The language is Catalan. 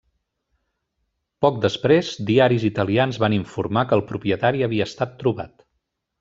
Poc després, diaris italians van informar que el propietari havia estat trobat.